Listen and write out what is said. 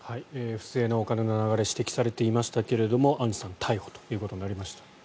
不正なお金の流れが指摘されていましたがアンジュさん逮捕となりました。